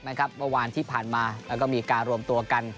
เมื่อวานที่ผ่านมาแล้วก็มีการรวมตัวกัน